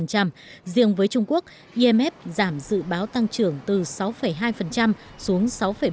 riêng với trung quốc imf giảm dự báo tăng trưởng từ sáu hai xuống sáu một